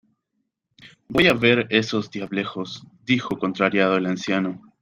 ¡Voy a ver a esos diablejos! dijo contrariado el anciano.